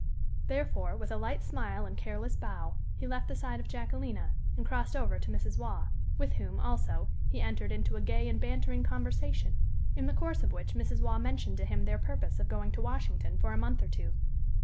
Therefore, with a light smile and careless bow, he left the side of Jacquelina and crossed over to Mrs. Waugh, with whom, also, he entered into a gay and bantering conversation, in the course of which Mrs. Waugh mentioned to him their purpose of going to Washington for a month or two.